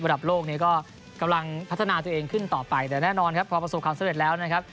โลกนี้ก็กำลังพัฒนาตัวเองขึ้นต่อไปแต่แน่นอนครับพอประสบความสำเร็จแล้วนะครับ